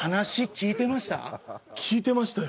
聞いてましたよ